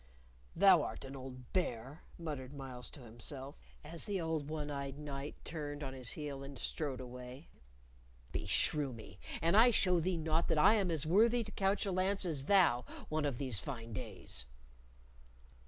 "Thou art an old bear!" muttered Myles to himself, as the old one eyed knight turned on his heel and strode away. "Beshrew me! an I show thee not that I am as worthy to couch a lance as thou one of these fine days!"